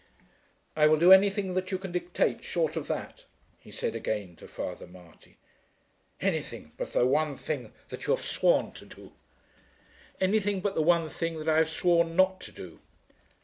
"I will do anything that you can dictate short of that," he said again to Father Marty. "Anything but the one thing that you have sworn to do?" "Anything but the one thing that I have sworn not to do."